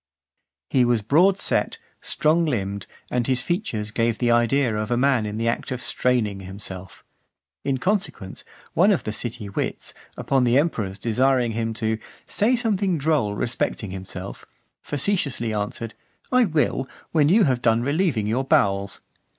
XX. He was broad set, strong limbed, and his features gave the idea of a man in the act of straining himself. In consequence, one of the city wits, upon the emperor's desiring him "to say something droll respecting himself," facetiously answered, "I will, when you have done relieving your bowels."